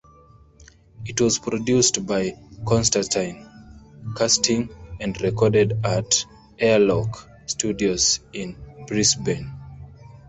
It was produced by Konstantin Kersting and recorded at Airlock Studios in Brisbane.